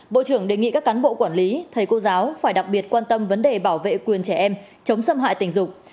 bộ trưởng đề nghị các cán bộ quản lý thầy cô giáo phải đặc biệt quan tâm vấn đề bảo vệ quyền trẻ em chống xâm hại tình dục